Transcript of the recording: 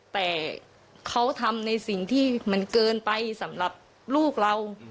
แต่เขาทำในสิ่งที่มันเกินไปสำหรับลูกเรา